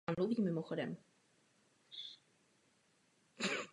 Podle smluv připravuje schůzky obvykle Rada pro obecné záležitosti.